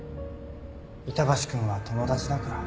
板橋くんは友達だから。